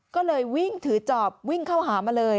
ก็เลยวิ่งถือจอบวิ่งเข้าหามาเลย